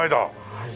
はい。